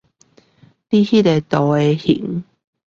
你那個圖的樣子